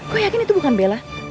kok yakin itu bukan bella